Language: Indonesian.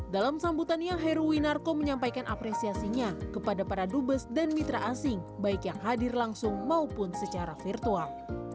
dalam sambutannya heruwinarko menyampaikan apresiasinya kepada para dubes dan mitra asing baik yang hadir langsung maupun secara virtual